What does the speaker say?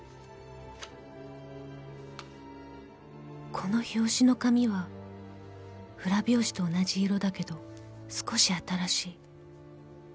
［この表紙の紙は裏表紙と同じ色だけど少し新しい］